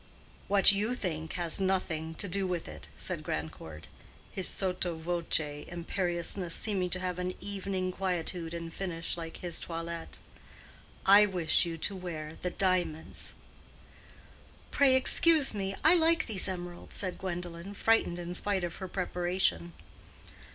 "What you think has nothing to do with it," said Grandcourt, his sotto voce imperiousness seeming to have an evening quietude and finish, like his toilet. "I wish you to wear the diamonds." "Pray excuse me; I like these emeralds," said Gwendolen, frightened in spite of her preparation.